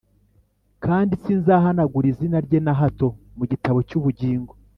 kandi sinzahanagura izina rye na hato mu gitabo cy’ubugingo,